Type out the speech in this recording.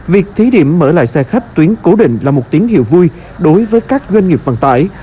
việc thí điểm mở lại xe khách tuyến cố định là một tín hiệu vui đối với các doanh nghiệp vận tải